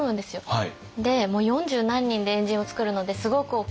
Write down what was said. はい！